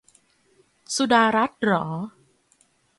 สุดารัตน์เหรอ